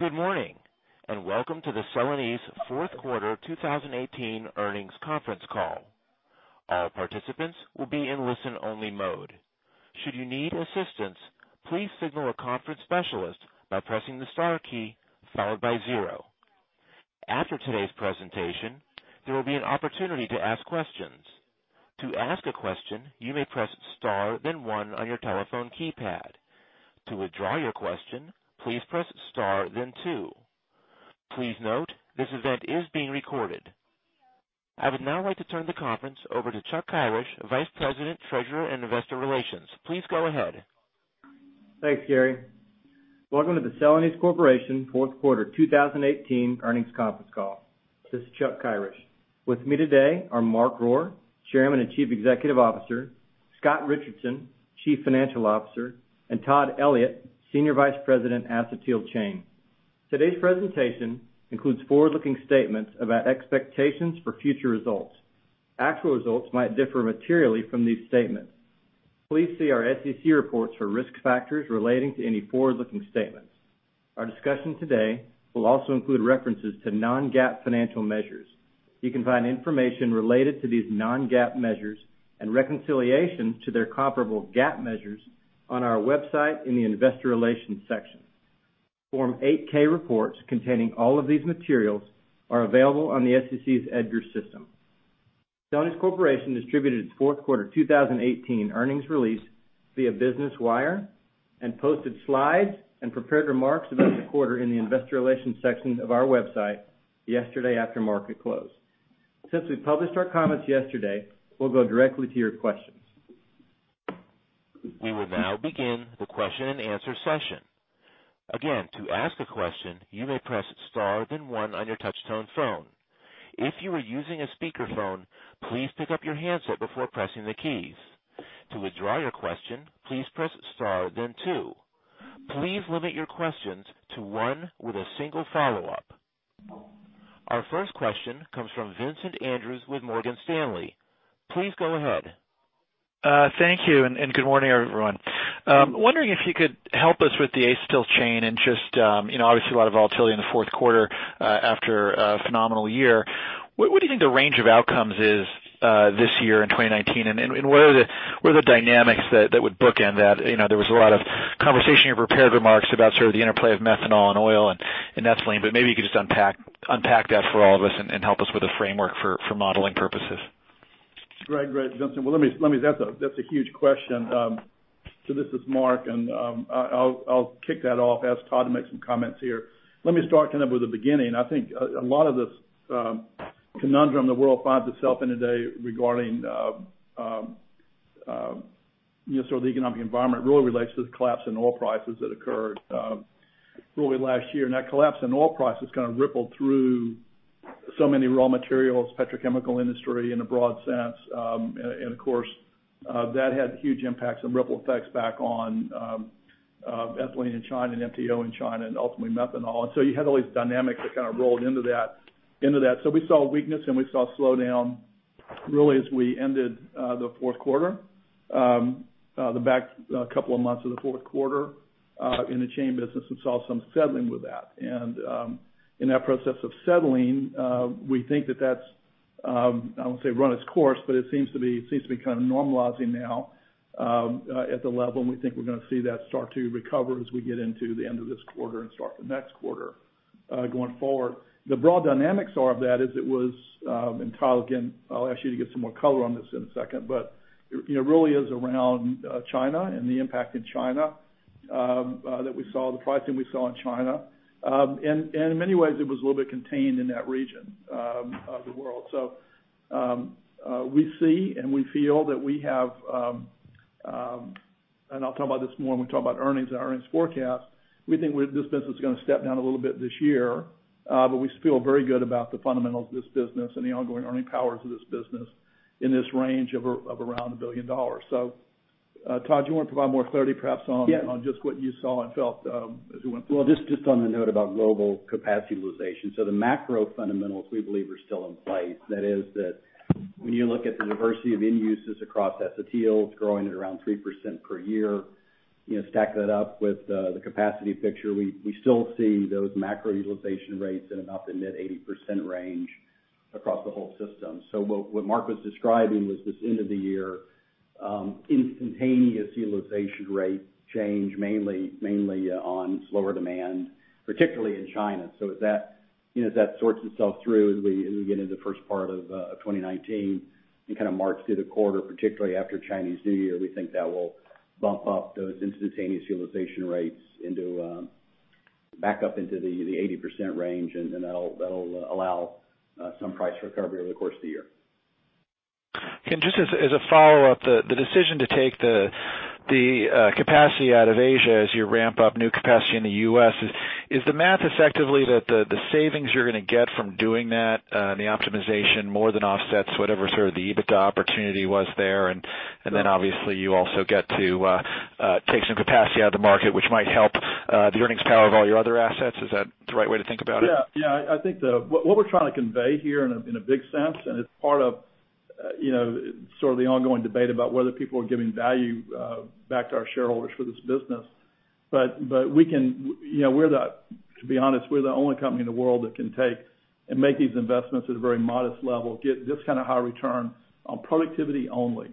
Good morning, welcome to the Celanese fourth quarter 2018 earnings conference call. All participants will be in listen-only mode. Should you need assistance, please signal a conference specialist by pressing the star key followed by zero. After today's presentation, there will be an opportunity to ask questions. To ask a question, you may press star then one on your telephone keypad. To withdraw your question, please press star then two. Please note, this event is being recorded. I would now like to turn the conference over to Chuck Kyrish, Vice President, Treasurer, and Investor Relations. Please go ahead. Thanks, Gary. Welcome to the Celanese Corporation fourth quarter 2018 earnings conference call. This is Chuck Kyrish. With me today are Mark Rohr, Chairman and Chief Executive Officer, Scott Richardson, Chief Financial Officer, and Todd Elliott, Senior Vice President, Acetyl Chain. Today's presentation includes forward-looking statements about expectations for future results. Actual results might differ materially from these statements. Please see our SEC reports for risk factors relating to any forward-looking statements. Our discussion today will also include references to non-GAAP financial measures. You can find information related to these non-GAAP measures and reconciliation to their comparable GAAP measures on our website in the investor relations section. Form 8-K reports containing all of these materials are available on the SEC's EDGAR system. Celanese Corporation distributed its fourth quarter 2018 earnings release via Business Wire and posted slides and prepared remarks about the quarter in the investor relations section of our website yesterday after market close. Since we published our comments yesterday, we'll go directly to your questions. We will now begin the question and answer session. Again, to ask a question, you may press star then one on your touch-tone phone. If you are using a speakerphone, please pick up your handset before pressing the keys. To withdraw your question, please press star then two. Please limit your questions to one with a single follow-up. Our first question comes from Vincent Andrews with Morgan Stanley. Please go ahead. Thank you, and good morning, everyone. I'm wondering if you could help us with the acetyl chain and just obviously a lot of volatility in the fourth quarter after a phenomenal year. What do you think the range of outcomes is this year in 2019? What are the dynamics that would bookend that? There was a lot of conversation in your prepared remarks about sort of the interplay of methanol and oil and ethylene, but maybe you could just unpack that for all of us and help us with a framework for modeling purposes. Great. Vincent, that's a huge question. This is Mark, and I'll kick that off, ask Todd to make some comments here. Let me start with the beginning. I think a lot of this conundrum the world finds itself in today regarding the economic environment really relates to the collapse in oil prices that occurred early last year. That collapse in oil prices kind of rippled through so many raw materials, petrochemical industry in a broad sense. Of course, that had huge impacts and ripple effects back on ethylene in China and MTO in China, and ultimately methanol. You had all these dynamics that kind of rolled into that. We saw weakness and we saw a slowdown really as we ended the fourth quarter, the back couple of months of the fourth quarter in the chain business. We saw some settling with that. In that process of settling, we think that that's, I won't say run its course, but it seems to be kind of normalizing now at the level, and we think we're going to see that start to recover as we get into the end of this quarter and start the next quarter going forward. The broad dynamics are of that is it was, and Todd again, I'll ask you to give some more color on this in a second. It really is around China and the impact in China that we saw, the pricing we saw in China. In many ways, it was a little bit contained in that region of the world. We see and we feel that we have-- and I'll talk about this more when we talk about earnings and earnings forecast. We think this business is going to step down a little bit this year, but we feel very good about the fundamentals of this business and the ongoing earning powers of this business in this range of around $1 billion. Todd, you want to provide more clarity perhaps. Yeah just what you saw and felt as we went through. Just on the note about global capacity utilization. The macro fundamentals we believe are still in place. That is that when you look at the diversity of end uses across acetyl, it's growing at around 3% per year. Stack that up with the capacity picture, we still see those macro utilization rates in about the mid 80% range across the whole system. What Mark was describing was this end of the year instantaneous utilization rate change mainly on slower demand, particularly in China. As that sorts itself through as we get into the first part of 2019 and kind of march through the quarter, particularly after Chinese New Year, we think that will bump up those instantaneous utilization rates back up into the 80% range, that'll allow some price recovery over the course of the year. Just as a follow-up, the decision to take the capacity out of Asia as you ramp up new capacity in the U.S., is the math effectively that the savings you're going to get from doing that and the optimization more than offsets whatever sort of the EBITDA opportunity was there? Obviously you also get to take some capacity out of the market, which might help the earnings power of all your other assets. Is that the right way to think about it? Yeah. I think what we're trying to convey here in a big sense, it's part of sort of the ongoing debate about whether people are giving value back to our shareholders for this business. To be honest, we're the only company in the world that can take and make these investments at a very modest level, get this kind of high return on productivity only.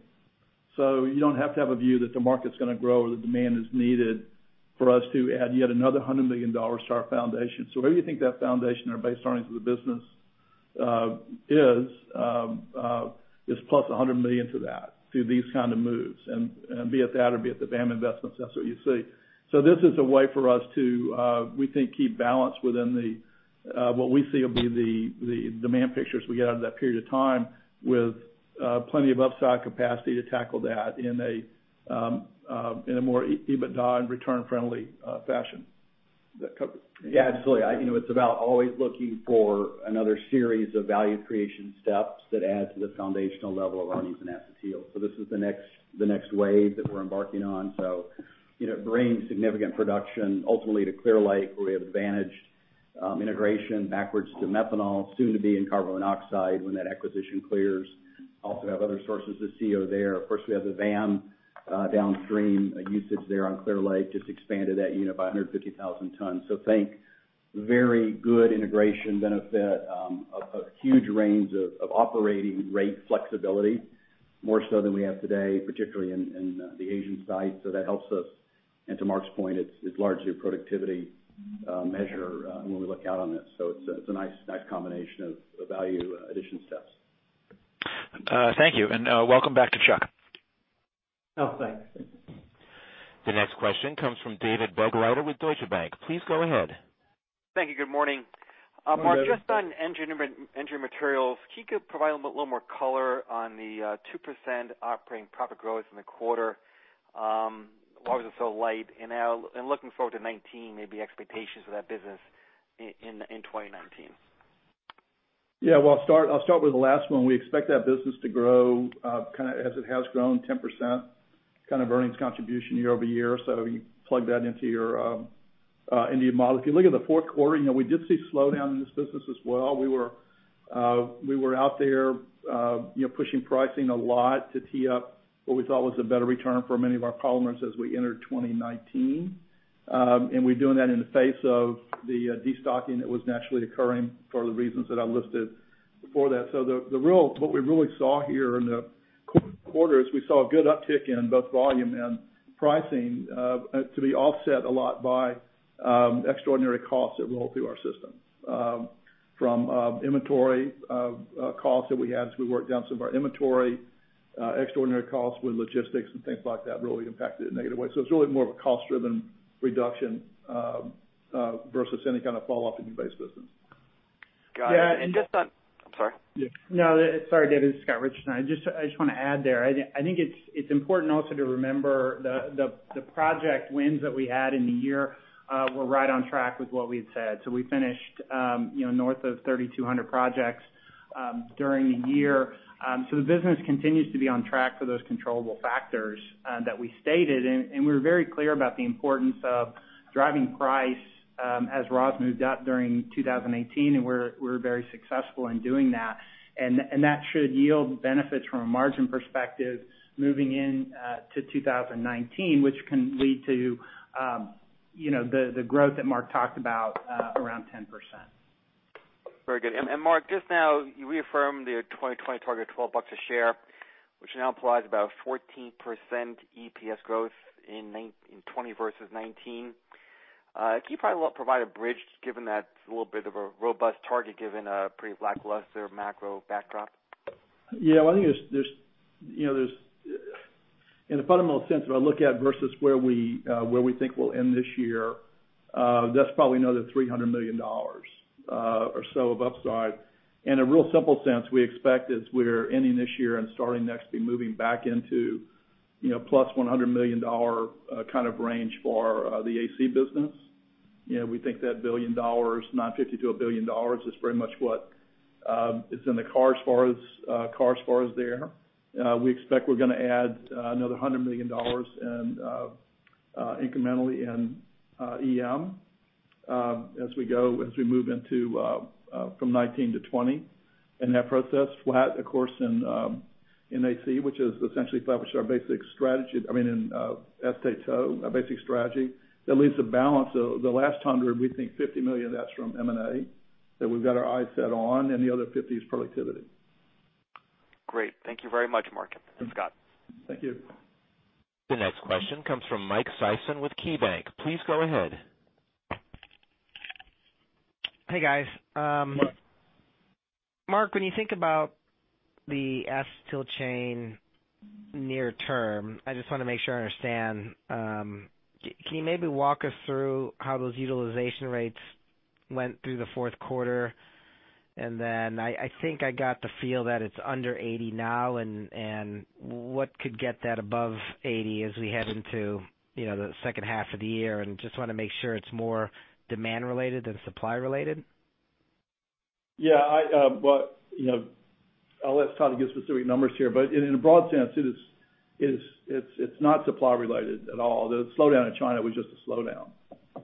You don't have to have a view that the market's going to grow or the demand is needed for us to add yet another $100 million to our foundation. Wherever you think that foundation or base earnings of the business is, plus $100 million to that through these kind of moves, and be it that or be it the VAM investments, that's what you see. This is a way for us to, we think, keep balance within the, what we see will be the demand pictures we get out of that period of time with plenty of upside capacity to tackle that in a more EBITDA and return-friendly fashion. Does that cover it? Absolutely. It's about always looking for another series of value creation steps that add to the foundational level of earnings and acetyl. This is the next wave that we're embarking on. It brings significant production ultimately to Clear Lake, where we have advantaged integration backwards to methanol, soon to be in carbon monoxide when that acquisition clears. Also have other sources of CO there. Of course, we have the VAM downstream usage there on Clear Lake, just expanded that unit by 150,000 tons. Think very good integration benefit, a huge range of operating rate flexibility, more so than we have today, particularly in the Asian side. That helps us, and to Mark's point, it's largely a productivity measure when we look out on this. It's a nice combination of value addition steps. Thank you. Welcome back to Chuck. Thanks. The next question comes from David Begleiter with Deutsche Bank. Please go ahead. Thank you. Good morning. Good morning, David. Mark, just on Engineered Materials, can you provide a little more color on the 2% operating profit growth in the quarter? Why was it so light? Looking forward to 2019, maybe expectations for that business in 2019. Yeah. Well, I'll start with the last one. We expect that business to grow as it has grown, 10% kind of earnings contribution year-over-year. You plug that into your ND model. If you look at the fourth quarter, we did see a slowdown in this business as well. We were out there pushing pricing a lot to tee up what we thought was a better return for many of our polymers as we entered 2019. We're doing that in the face of the de-stocking that was naturally occurring for the reasons that I listed before that. What we really saw here in the quarter is we saw a good uptick in both volume and pricing to be offset a lot by extraordinary costs that rolled through our system, from inventory costs that we had as we worked down some of our inventory, extraordinary costs with logistics and things like that really impacted it in a negative way. It's really more of a cost-driven reduction versus any kind of fall off in new base business. Got it. I'm sorry. No, sorry, David, this is Scott Richardson. I just want to add there, I think it's important also to remember the project wins that we had in the year were right on track with what we had said. We finished north of 3,200 projects during the year. The business continues to be on track for those controllable factors that we stated, and we're very clear about the importance of driving price as ROS moved up during 2018, and we're very successful in doing that. That should yield benefits from a margin perspective moving into 2019, which can lead to the growth that Mark talked about around 10%. Very good. Mark, just now, you reaffirmed the 2020 target, $12 a share, which now implies about 14% EPS growth in 2020 versus 2019. Can you probably provide a bridge given that's a little bit of a robust target given a pretty lackluster macro backdrop? Yeah. Well, I think in the fundamental sense, if I look at versus where we think we'll end this year, that's probably another $300 million or so of upside. In a real simple sense, we expect as we're ending this year and starting next, to be moving back into plus $100 million kind of range for the AC business. We think that $1 billion, $950 million to $1 billion is pretty much what is in the car as far as there. We expect we're gonna add another $100 million incrementally in EM as we move from 2019 to 2020. That process will add, of course, in AC, which is essentially establishing our basic strategy, I mean, in SATO, our basic strategy. That leaves a balance of the last $100 million, we think $50 million, that's from M&A that we've got our eyes set on, and the other $50 million is productivity. Great. Thank you very much, Mark and Scott. Thank you. The next question comes from Mike Sison with KeyBanc. Please go ahead. Hey, guys. Mike. Mark, when you think about the Acetyl Chain near term, I just want to make sure I understand. Can you maybe walk us through how those utilization rates went through the fourth quarter? I think I got the feel that it's under 80 now, what could get that above 80 as we head into the second half of the year, just want to make sure it's more demand related than supply related. Yeah. Well, I'll let Scott give specific numbers here, but in a broad sense, it's not supply related at all. The slowdown in China was just a slowdown.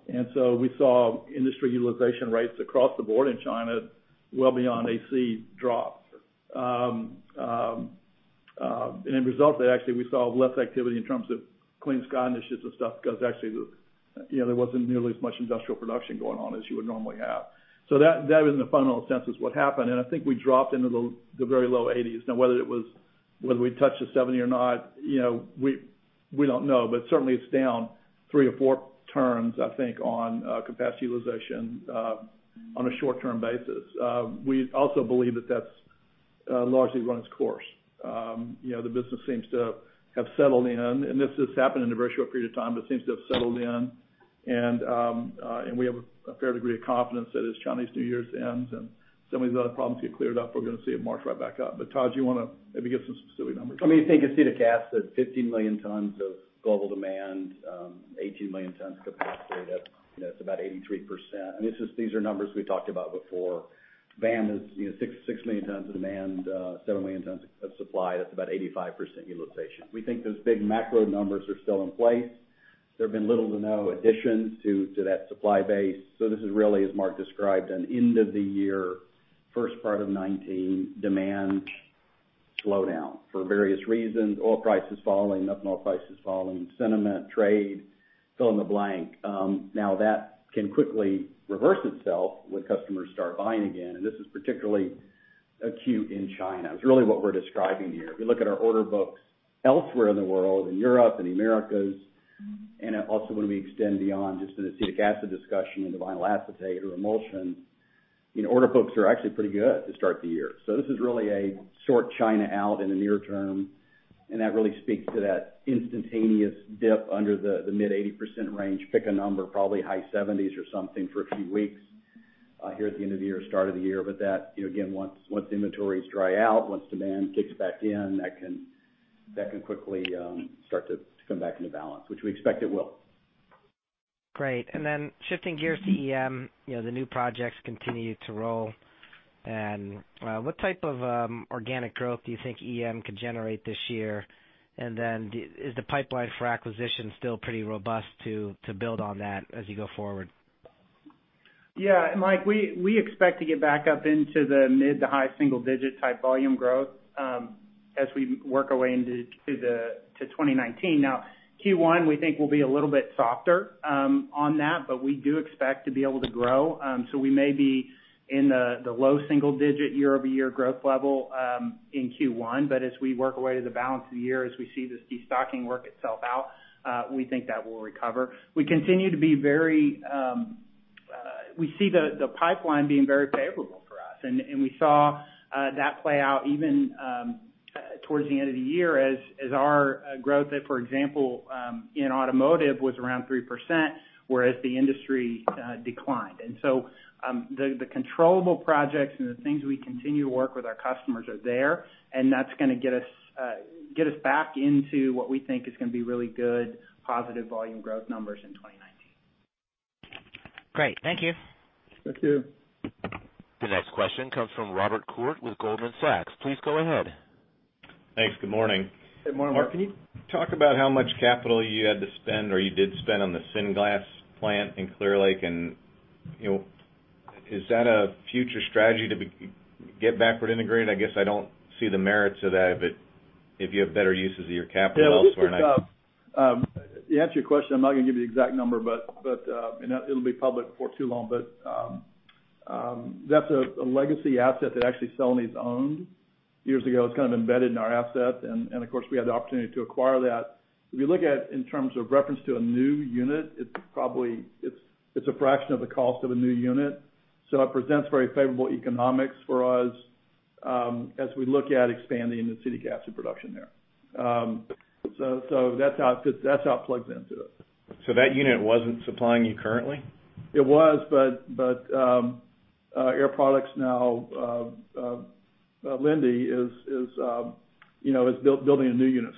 And we saw industry utilization rates across the board in China well beyond AC drop. A result, actually, we saw less activity in terms of Clean Sky Initiatives and stuff, because actually there wasn't nearly as much industrial production going on as you would normally have. That was, in a fundamental sense, is what happened. I think we dropped into the very low 80s. Whether we touched the 70 or not, we don't know. Certainly it's down three or four turns, I think, on capacity utilization on a short-term basis. We also believe that that largely run its course. The business seems to have settled in, and this has happened in a very short period of time, but seems to have settled in. We have a fair degree of confidence that as Chinese New Year ends and some of these other problems get cleared up, we're going to see it march right back up. But Todd, do you want to maybe give some specific numbers? I mean, if you think acetic acid, 15 million tons of global demand, 18 million tons capacity, that's about 83%. These are numbers we talked about before. VAM is 6 million tons of demand, 7 million tons of supply. That's about 85% utilization. We think those big macro numbers are still in place. There have been little to no additions to that supply base. This is really, as Mark described, an end of the year, first part of 2019 demand slowdown for various reasons. Oil prices falling, up north prices falling, sentiment, trade, fill in the blank. That can quickly reverse itself when customers start buying again, and this is particularly acute in China. It's really what we're describing here. If you look at our order books elsewhere in the world, in Europe and the Americas, and also when we extend beyond just an acetic acid discussion into vinyl acetate or emulsion, order books are actually pretty good to start the year. This is really a short China out in the near term, and that really speaks to that instantaneous dip under the mid 80% range. Pick a number, probably high 70s or something for a few weeks here at the end of the year, start of the year. That, again, once the inventories dry out, once demand kicks back in, that can quickly start to come back into balance. Which we expect it will. Great. Shifting gears to EM, the new projects continue to roll. What type of organic growth do you think EM could generate this year? Is the pipeline for acquisition still pretty robust to build on that as you go forward? Mike, we expect to get back up into the mid to high single-digit type volume growth as we work our way into 2019. Q1 we think will be a little bit softer on that. We do expect to be able to grow. We may be in the low single-digit year-over-year growth level in Q1. As we work our way to the balance of the year, as we see this destocking work itself out, we think that will recover. We see the pipeline being very favorable for us, and we saw that play out even towards the end of the year as our growth that, for example, in automotive was around 3%, whereas the industry declined. The controllable projects and the things we continue to work with our customers are there, and that's going to get us back into what we think is going to be really good, positive volume growth numbers in 2019. Great. Thank you. Thank you. The next question comes from Robert Koort with Goldman Sachs. Please go ahead. Thanks. Good morning. Good morning. Mark, can you talk about how much capital you had to spend or you did spend on the Syngas plant in Clear Lake, and is that a future strategy to get backward integrated? I guess I don't see the merit to that, but if you have better uses of your capital elsewhere. Yeah. To answer your question, I'm not going to give you the exact number, but it'll be public before too long. That's a legacy asset that actually Celanese owned years ago. It's kind of embedded in our asset. Of course, we had the opportunity to acquire that. If you look at in terms of reference to a new unit, it's a fraction of the cost of a new unit. It presents very favorable economics for us as we look at expanding the acetic acid production there. That's how it plugs into it. That unit wasn't supplying you currently? It was, Air Products now, Linde is building a new unit.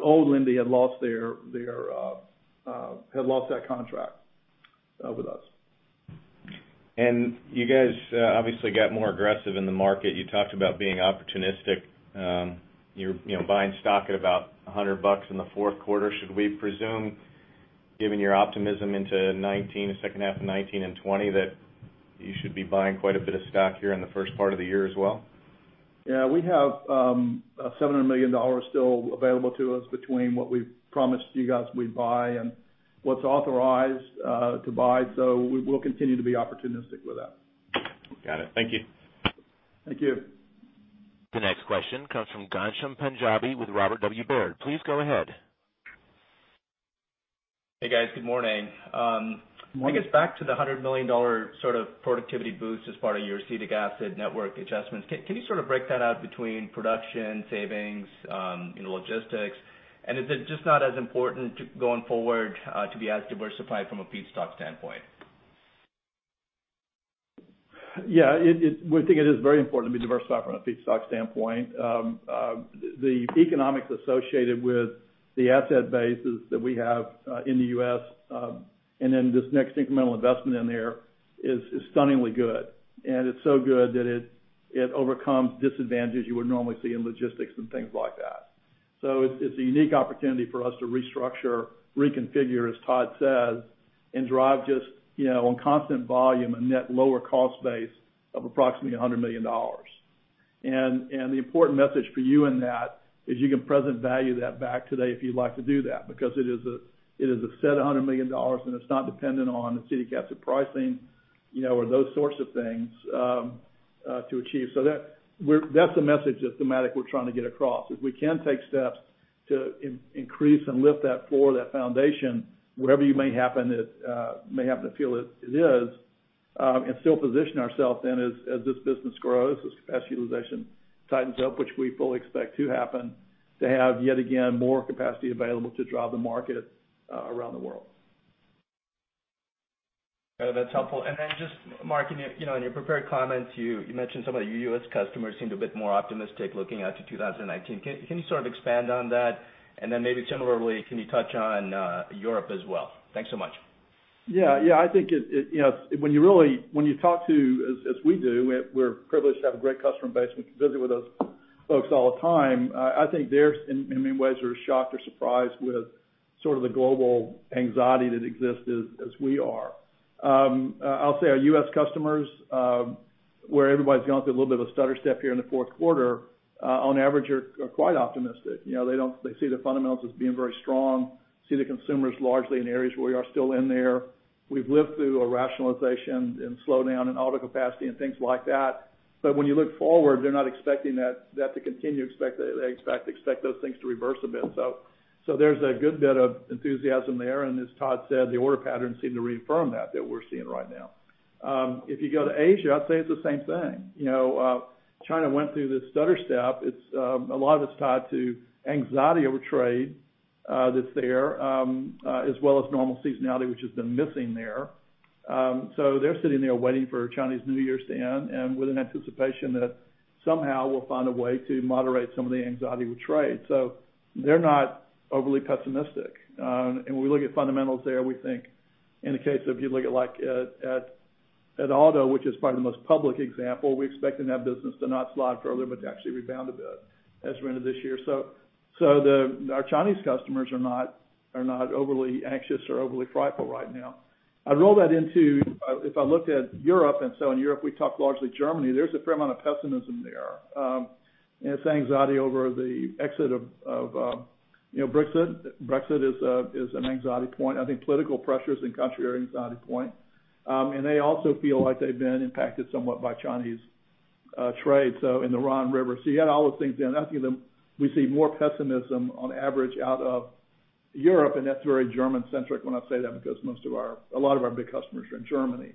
Old Linde had lost that contract with us. You guys obviously got more aggressive in the market. You talked about being opportunistic. You're buying stock at about $100 in the fourth quarter. Should we presume, given your optimism into 2019, the second half of 2019 and 2020, that you should be buying quite a bit of stock here in the first part of the year as well? We have $700 million still available to us between what we've promised you guys we'd buy and what's authorized to buy. We will continue to be opportunistic with that. Got it. Thank you. Thank you. The next question comes from Ghansham Panjabi with Robert W. Baird. Please go ahead. Hey, guys. Good morning. Morning. I guess back to the $100 million sort of productivity boost as part of your acetic acid network adjustments. Can you sort of break that out between production savings, logistics, and is it just not as important going forward to be as diversified from a feedstock standpoint? Yeah, we think it is very important to be diversified from a feedstock standpoint. The economics associated with the asset bases that we have in the U.S. and then this next incremental investment in there is stunningly good, and it's so good that it overcomes disadvantages you would normally see in logistics and things like that. It's a unique opportunity for us to restructure, reconfigure, as Todd says, and drive just on constant volume, a net lower cost base of approximately $100 million. The important message for you in that is you can present value that back today if you'd like to do that, because it is a set $100 million, and it's not dependent on acetic acid pricing or those sorts of things to achieve. That's the message of thematic we're trying to get across. If we can take steps to increase and lift that floor, that foundation, wherever you may happen to feel it is, and still position ourself then as this business grows, as capacity utilization tightens up, which we fully expect to happen, to have yet again, more capacity available to drive the market around the world. That's helpful. Mark, in your prepared comments, you mentioned some of your U.S. customers seemed a bit more optimistic looking out to 2019. Can you sort of expand on that? Maybe similarly, can you touch on Europe as well? Thanks so much. Yeah. I think when you talk to, as we do, we're privileged to have a great customer base. We visit with those folks all the time. I think they're, in many ways, are shocked or surprised with sort of the global anxiety that exists as we are. I'll say our U.S. customers, where everybody's gone through a little bit of a stutter step here in the fourth quarter, on average are quite optimistic. They see the fundamentals as being very strong, see the consumers largely in areas where we are still in there. We've lived through a rationalization and slowdown in auto capacity and things like that. When you look forward, they're not expecting that to continue. They expect those things to reverse a bit. There's a good bit of enthusiasm there, and as Todd said, the order patterns seem to reaffirm that we're seeing right now. If you go to Asia, I'd say it's the same thing. China went through this stutter step. A lot of it's tied to anxiety over trade that's there, as well as normal seasonality, which has been missing there. They're sitting there waiting for Chinese New Year to end, and with an anticipation that somehow we'll find a way to moderate some of the anxiety with trade. They're not overly pessimistic. When we look at fundamentals there, we think in the case of if you look at like at auto, which is probably the most public example, we expect in that business to not slide further, but to actually rebound a bit as we're into this year. Our Chinese customers are not overly anxious or overly frightful right now. I'd roll that into, if I looked at Europe, in Europe, we talk largely Germany, there's a fair amount of pessimism there. It's anxiety over the exit of Brexit. Brexit is an anxiety point. I think political pressures in country are an anxiety point. They also feel like they've been impacted somewhat by Chinese trade, so in the Rhine River. You add all those things in, we see more pessimism on average out of Europe, and that's very German centric when I say that because a lot of our big customers are in Germany.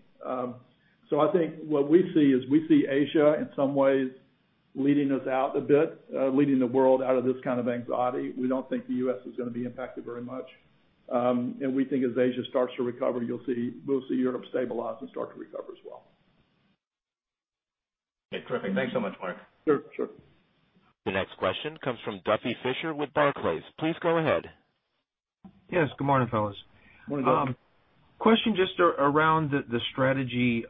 I think what we see is we see Asia in some ways leading us out a bit, leading the world out of this kind of anxiety. We don't think the U.S. is going to be impacted very much. We think as Asia starts to recover, we'll see Europe stabilize and start to recover as well. Okay, terrific. Thanks so much, Mark. Sure. The next question comes from Duffy Fischer with Barclays. Please go ahead. Yes, good morning, fellas. Morning, Duffy. Question just around the strategy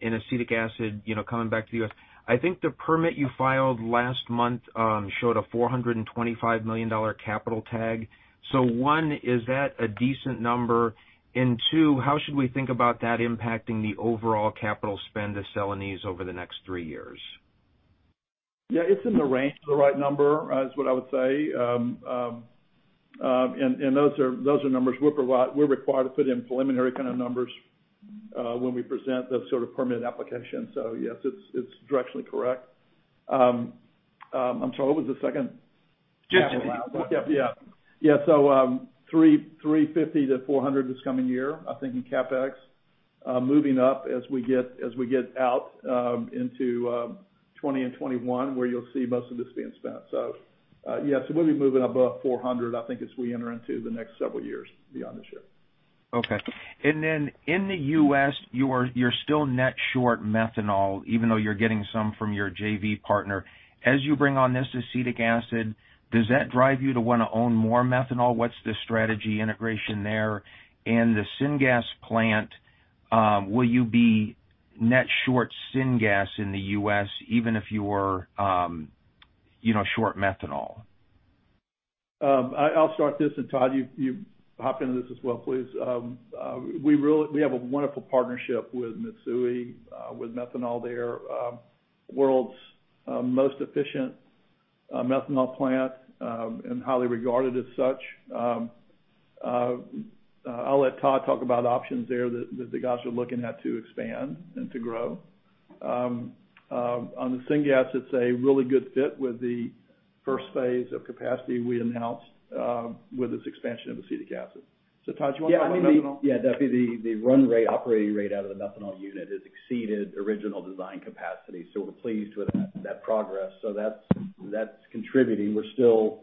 in acetic acid, coming back to the U.S. I think the permit you filed last month showed a $425 million capital tag. One, is that a decent number? Two, how should we think about that impacting the overall capital spend of Celanese over the next three years? Yeah, it's in the range of the right number, is what I would say. Those are numbers we're required to put in preliminary kind of numbers, when we present those sort of permit applications. Yes, it's directionally correct. I'm sorry, what was the second part of that? CapEx. Yeah. $350-$400 this coming year, I think, in CapEx. Moving up as we get out into 2020 and 2021, where you'll see most of this being spent. Yeah. We'll be moving above $400, I think as we enter into the next several years beyond this year. Okay. In the U.S., you're still net short methanol, even though you're getting some from your JV partner. As you bring on this acetic acid, does that drive you to want to own more methanol? What's the strategy integration there? The syngas plant, will you be net short syngas in the U.S. even if you were short methanol? I'll start this, Todd, you hop into this as well, please. We have a wonderful partnership with Mitsui, with methanol there. World's most efficient methanol plant, and highly regarded as such. I'll let Todd talk about options there that the guys are looking at to expand and to grow. On the syngas, it's a really good fit with the first phase of capacity we announced, with this expansion of acetic acid. Todd, do you want to talk methanol? Yeah. Duffy, the run rate, operating rate out of the methanol unit has exceeded original design capacity, so we're pleased with that progress. That's contributing. We're still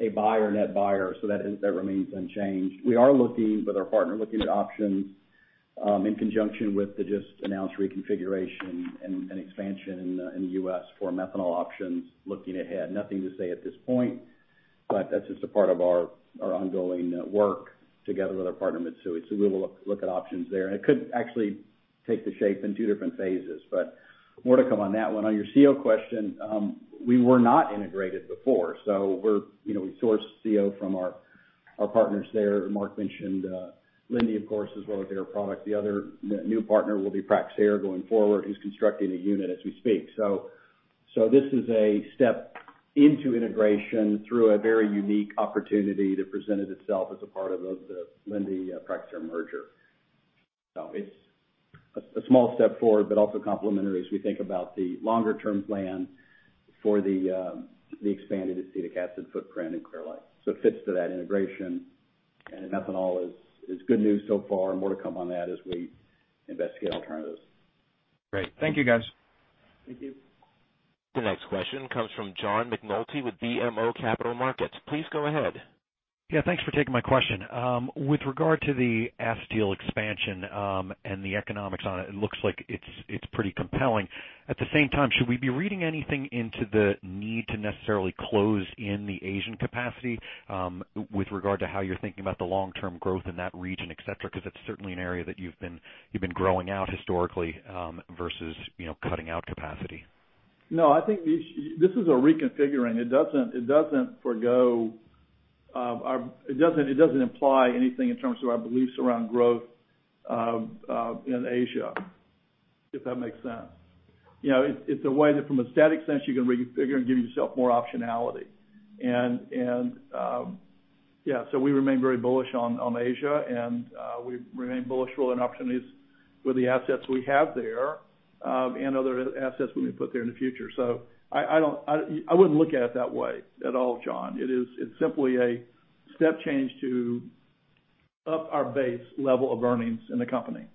a net buyer, so that remains unchanged. We are looking with our partner, looking at options, in conjunction with the just announced reconfiguration and expansion in the U.S. for methanol options looking ahead. Nothing to say at this point, but that's just a part of our ongoing work together with our partner, Mitsui. We will look at options there. It could actually. Take the shape in two different phases. More to come on that one. On your CO question, we were not integrated before, so we sourced CO from our partners there. Mark mentioned Linde, of course, as well as Air Products. The other new partner will be Praxair going forward, who's constructing a unit as we speak. This is a step into integration through a very unique opportunity that presented itself as a part of the Linde-Praxair merger. It's a small step forward, but also complementary as we think about the longer-term plan for the expanded acetic acid footprint in Clear Lake. It fits to that integration, and methanol is good news so far. More to come on that as we investigate alternatives. Great. Thank you, guys. Thank you. The next question comes from John McNulty with BMO Capital Markets. Please go ahead. Yeah. Thanks for taking my question. With regard to the acetyl expansion, and the economics on it looks like it's pretty compelling. At the same time, should we be reading anything into the need to necessarily close in the Asian capacity, with regard to how you're thinking about the long-term growth in that region, et cetera? Because it's certainly an area that you've been growing out historically, versus cutting out capacity. No, I think this is a reconfiguring. It doesn't imply anything in terms of our beliefs around growth in Asia, if that makes sense. It's a way that from a static sense, you can reconfigure and give yourself more optionality. We remain very bullish on Asia, and we remain bullish rolling opportunities with the assets we have there, and other assets we may put there in the future. I wouldn't look at it that way at all, John. It's simply a step change to up our base level of earnings in the company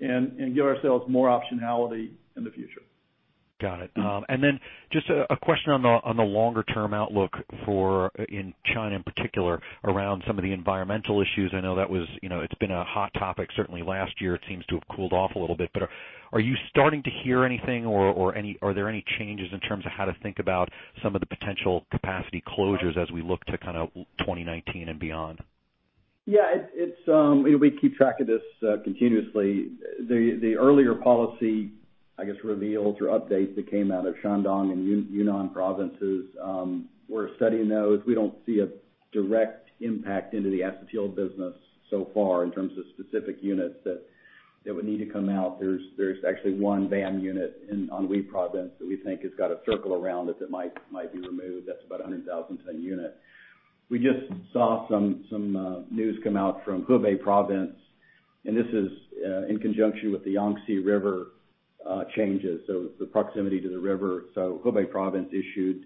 and give ourselves more optionality in the future. Got it. Just a question on the longer-term outlook for in China in particular, around some of the environmental issues. I know it's been a hot topic, certainly last year. It seems to have cooled off a little bit, are you starting to hear anything or are there any changes in terms of how to think about some of the potential capacity closures as we look to 2019 and beyond? Yeah. We keep track of this continuously. The earlier policy, I guess reveals or updates that came out of Shandong and Yunnan provinces, we're studying those. We don't see a direct impact into the acetyl business so far in terms of specific units that would need to come out. There's actually one VAM unit on Anhui Province that we think has got a circle around it that might be removed. That's about a 100,000 ton unit. We just saw some news come out from Hubei Province, and this is in conjunction with the Yangtze River changes, so the proximity to the river. Hubei Province issued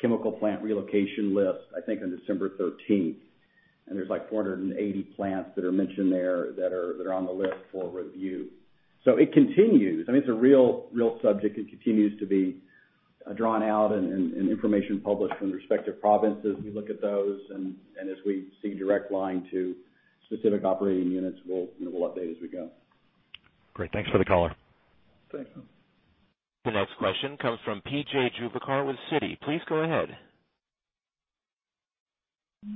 chemical plant relocation list, I think on December 13th. There's like 480 plants that are mentioned there that are on the list for review. It continues. I mean, it's a real subject. It continues to be drawn out and information published from the respective provinces. We look at those, and as we see direct line to specific operating units, we'll update as we go. Great. Thanks for the color. Thanks. The next question comes from P.J. Juvekar with Citi. Please go ahead.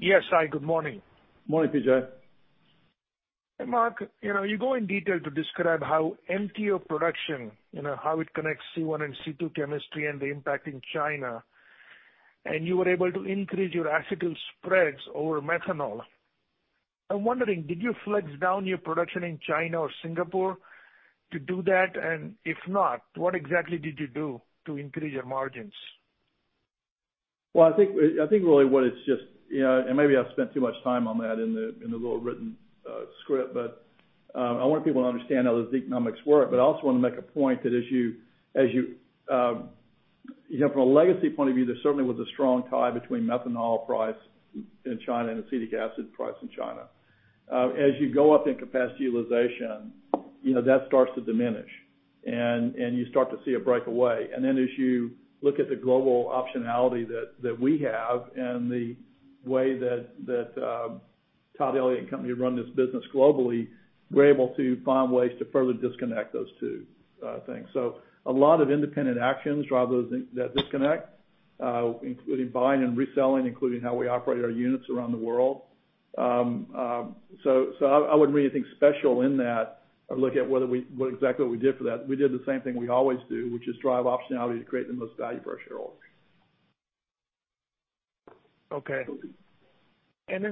Yes. Hi, good morning. Morning, PJ. Hey, Mark. You go in detail to describe how MTO production, how it connects C1 and C2 chemistry and the impact in China. You were able to increase your acetyl spreads over methanol. I'm wondering, did you flex down your production in China or Singapore to do that? If not, what exactly did you do to increase your margins? Well, I think really maybe I've spent too much time on that in the little written script, I want people to understand how those economics work. I also want to make a point that as you, from a legacy point of view, there certainly was a strong tie between methanol price in China and acetic acid price in China. As you go up in capacity utilization, that starts to diminish, and you start to see a breakaway. Then as you look at the global optionality that we have and the way that Todd Elliott and company run this business globally, we're able to find ways to further disconnect those two things. A lot of independent actions drive those, that disconnect, including buying and reselling, including how we operate our units around the world. I wouldn't read anything special in that or look at what exactly we did for that. We did the same thing we always do, which is drive optionality to create the most value for our shareholders.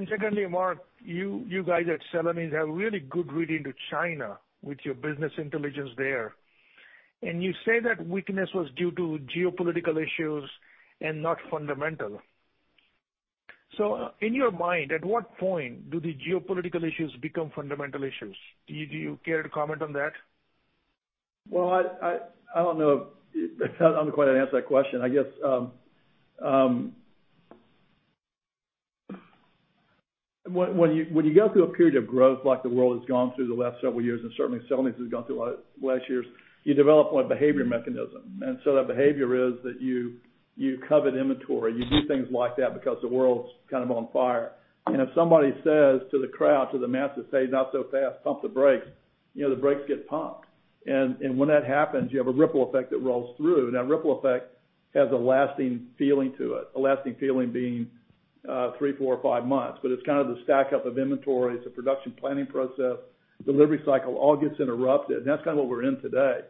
Secondly, Mark, you guys at Celanese have really good reading to China with your business intelligence there. You say that weakness was due to geopolitical issues and not fundamental. In your mind, at what point do the geopolitical issues become fundamental issues? Do you care to comment on that? Well, I don't know if I'm going to quite answer that question. I guess, when you go through a period of growth, like the world has gone through the last several years, and certainly Celanese has gone through last years, you develop a behavior mechanism. That behavior is that you covet inventory. You do things like that because the world's on fire. If somebody says to the crowd, to the masses, "Hey, not so fast, pump the brakes," the brakes get pumped. When that happens, you have a ripple effect that rolls through. Now, a ripple effect has a lasting feeling to it, a lasting feeling being three, four, or five months. It's kind of the stack up of inventory. It's a production planning process. Delivery cycle all gets interrupted, and that's kind of what we're in today.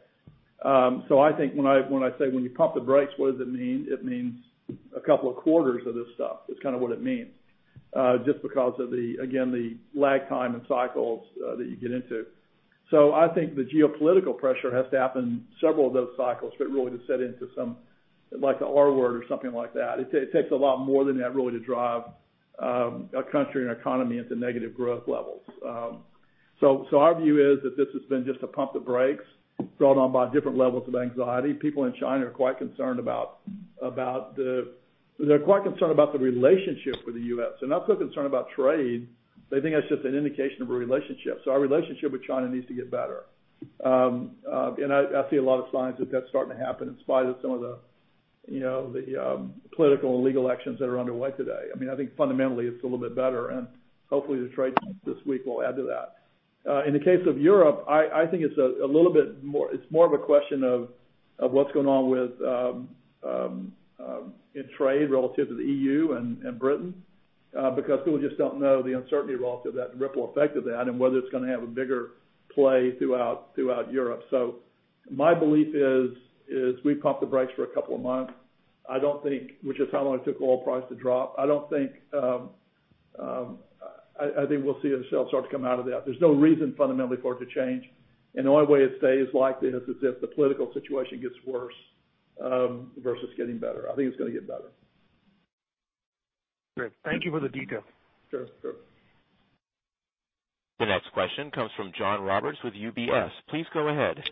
I think when I say when you pump the brakes, what does it mean? It means a couple of quarters of this stuff is kind of what it means, just because of the, again, the lag time and cycles that you get into. I think the geopolitical pressure has to happen several of those cycles for it really to set into some like a R word or something like that. It takes a lot more than that really to drive a country and economy into negative growth levels. Our view is that this has been just a pump the brakes brought on by different levels of anxiety. People in China are quite concerned about the relationship with the U.S. They're not so concerned about trade. They think that's just an indication of a relationship. Our relationship with China needs to get better. I see a lot of signs that that's starting to happen in spite of some of the political and legal actions that are underway today. I think fundamentally it's a little bit better, and hopefully the trade talks this week will add to that. In the case of Europe, I think it's more of a question of what's going on in trade relative to the EU and Britain, because people just don't know the uncertainty relative to that and the ripple effect of that and whether it's going to have a bigger play throughout Europe. My belief is we've pumped the brakes for a couple of months. Which is how long it took oil price to drop. I think we'll see themselves start to come out of that. There's no reason fundamentally for it to change, and the only way it stays like this is if the political situation gets worse versus getting better. I think it's going to get better. Great. Thank you for the detail. Sure. The next question comes from John Roberts with UBS. Please go ahead.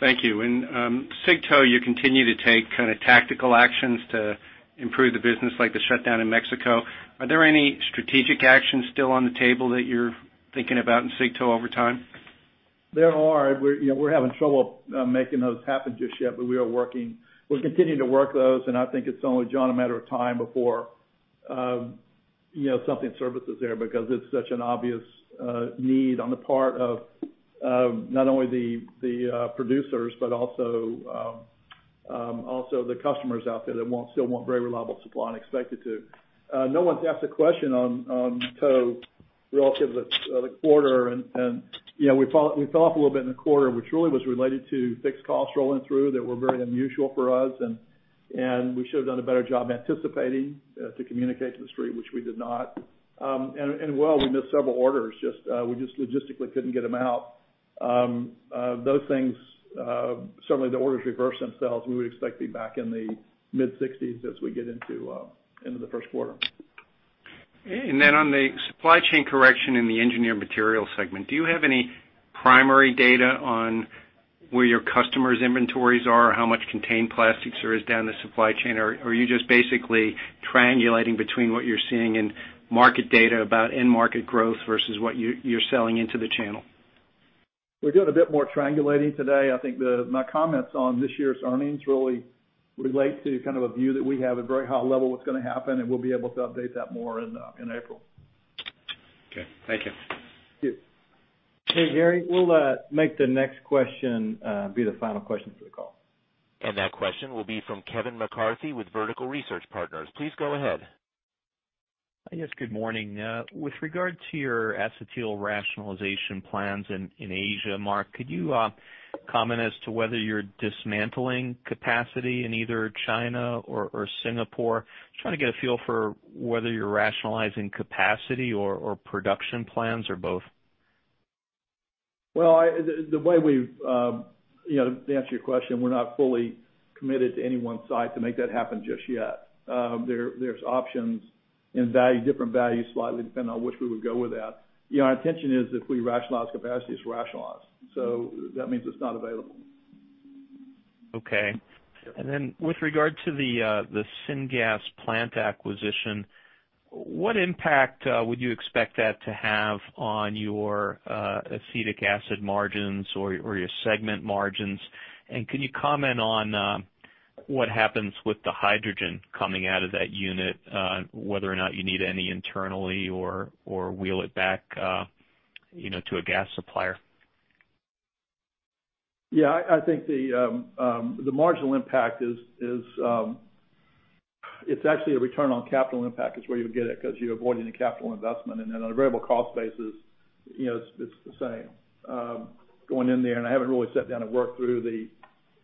Thank you. In Cig-Tow, you continue to take kind of tactical actions to improve the business, like the shutdown in Mexico. Are there any strategic actions still on the table that you're thinking about in Cig-Tow over time? There are. We're having trouble making those happen just yet, but we're continuing to work those, and I think it's only, John, a matter of time before something surfaces there because it's such an obvious need on the part of not only the producers, but also the customers out there that still want very reliable supply and expect it to. No one's asked a question on Tow relative to the quarter. We fell off a little bit in the quarter, which really was related to fixed costs rolling through that were very unusual for us. We should have done a better job anticipating to communicate to the street, which we did not. Well, we missed several orders. We just logistically couldn't get them out. Those things, certainly the orders reverse themselves. We would expect to be back in the mid-60s as we get into the first quarter. Then on the supply chain correction in the Engineered Materials segment, do you have any primary data on where your customers' inventories are or how much contained plastics there is down the supply chain? Or are you just basically triangulating between what you're seeing in market data about end market growth versus what you're selling into the channel? We're doing a bit more triangulating today. I think my comments on this year's earnings really relate to kind of a view that we have at a very high level what's going to happen, and we'll be able to update that more in April. Okay. Thank you. Thank you. Hey, Gary, we'll make the next question be the final question for the call. That question will be from Kevin McCarthy with Vertical Research Partners. Please go ahead. Yes, good morning. With regard to your acetyl rationalization plans in Asia, Mark, could you comment as to whether you're dismantling capacity in either China or Singapore? Just trying to get a feel for whether you're rationalizing capacity or production plans or both. Well, to answer your question, we're not fully committed to any one site to make that happen just yet. There's options and different values slightly depending on which we would go with that. Our intention is if we rationalize capacity, it's rationalized. That means it's not available. Okay. Yeah. With regard to the syngas plant acquisition, what impact would you expect that to have on your acetic acid margins or your segment margins? Can you comment on what happens with the hydrogen coming out of that unit, whether or not you need any internally or wheel it back to a gas supplier? Yeah, I think the marginal impact is actually a return on capital impact is where you would get it because you're avoiding a capital investment. On a variable cost basis, it's the same. Going in there, I haven't really sat down and worked through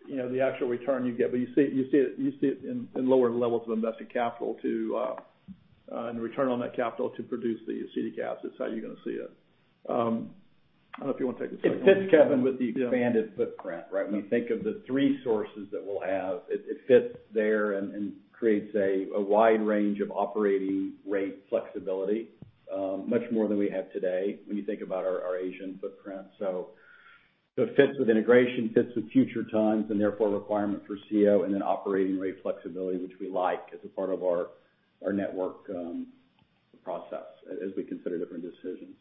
the actual return you get, but you see it in lower levels of invested capital and return on that capital to produce the acetic acid. It's how you're going to see it. I don't know if you want to take a stab at it, Kevin. It fits, Kevin, with the expanded footprint, right? When you think of the three sources that we'll have, it fits there and creates a wide range of operating rate flexibility, much more than we have today when you think about our Asian footprint. It fits with integration, fits with future tons, and therefore requirement for CO, operating rate flexibility, which we like as a part of our network process as we consider different decisions.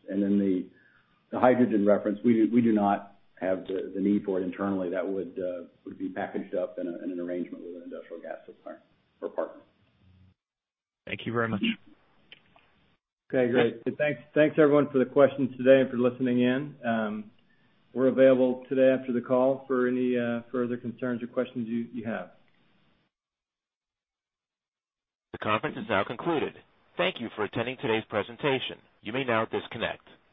The hydrogen reference, we do not have the need for it internally. That would be packaged up in an arrangement with an industrial gas supplier or partner. Thank you very much. Okay, great. Thanks, everyone, for the questions today and for listening in. We're available today after the call for any further concerns or questions you have. The conference is now concluded. Thank you for attending today's presentation. You may now disconnect.